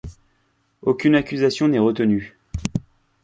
Aucune accusation n'est retenue.